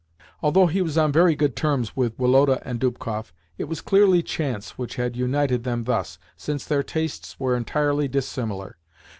Although he was on very good terms with Woloda and Dubkoff, it was clearly chance which had united them thus, since their tastes were entirely dissimilar.